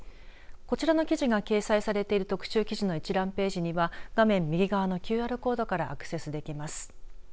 こちらの記事が掲載されている特集記事の一覧ページには画面右側のＱＲコードからアクセスできます。